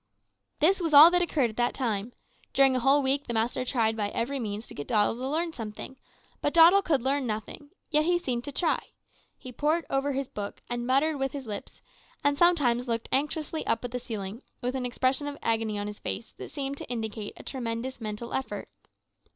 "This was all that occurred at that time. During a whole week the master tried by every means to get Doddle to learn something; but Doddle could learn nothing. Yet he seemed to try. He pored over his book, and muttered with his lips, and sometimes looked anxiously up at the ceiling, with an expression of agony on his face that seemed to indicate a tremendous mental effort.